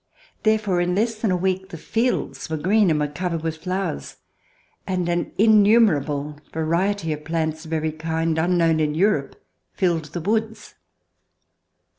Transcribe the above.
Therefore, in less than a week, the fields were green and were covered with flowers, and an innumerable variety of plants of every kind, unknown in Europe, filled the woods.